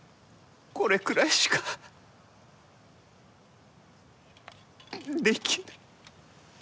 これくらいしかできぬ。